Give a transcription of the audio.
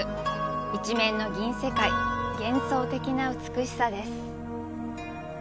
一面の銀世界、幻想的な美しさです。